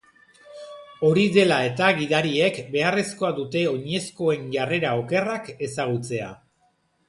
Hori dela eta gidariek beharrezkoa dute oinezkoen jarrera okerrak ezagutzea.